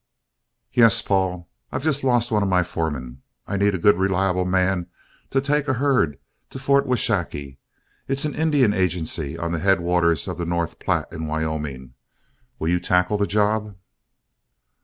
"Yes. Paul, I've just lost one of my foremen. I need a good reliable man to take a herd to Fort Washakie. It's an Indian agency on the head waters of the North Platte in Wyoming. Will you tackle the job?"